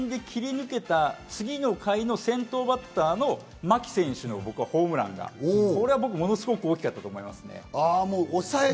三振で切り抜けた次の回の先頭バッターの牧選手のホームランが僕はものすごく大きかったと思いますね。